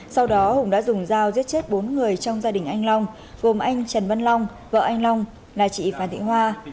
sau đó hùng đã dùng dao giết chết bốn người trong gia đình anh long gồm anh trần văn long vợ anh long là chị phan thị hoa